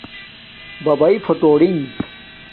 بباݵ فُوٹورنݣ